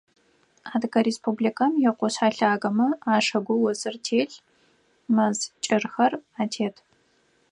Адыгэ Республикэм икъушъхьэ лъагэмэ ашыгу осыр телъ, мэз кӏырхэр атет.